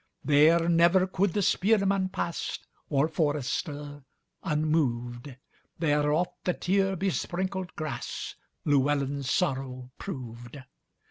There never could the spearman pass, Or forester, unmoved; There oft the tear besprinkled grassLlewelyn's sorrow proved.